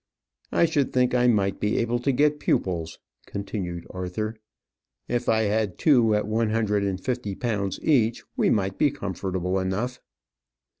"I should think I might be able to get pupils," continued Arthur. "If I had two at one hundred and fifty pounds each, we might be comfortable enough."